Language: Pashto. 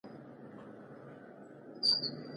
غله به سرداران او کمېشن کاران حاکمان وي.